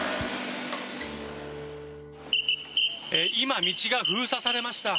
今、道が封鎖されました。